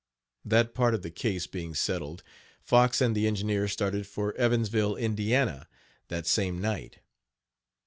That part of the case being settled, Fox and the engineer started for Evansville, Ind., that same night.